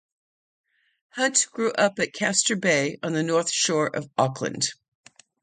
Hunt grew up at Castor Bay on the North Shore of Auckland.